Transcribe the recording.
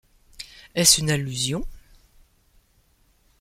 Est-ce une allusion ?...